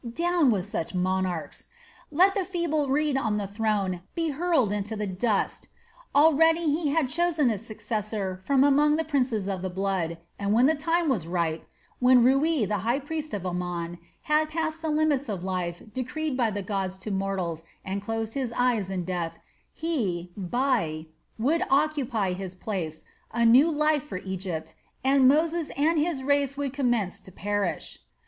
Down with such monarchs! Let the feeble reed on the throne be hurled into the dust! Already he had chosen a successor from among the princes of the blood, and when the time was ripe when Rui, the high priest of Amon, had passed the limits of life decreed by the gods to mortals and closed his eyes in death, he, Bai, would occupy his place, a new life for Egypt, and Moses and his race would commence would perish.